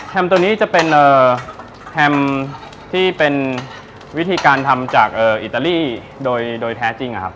ตัวนี้จะเป็นแฮมที่เป็นวิธีการทำจากอิตาลีโดยแท้จริงครับ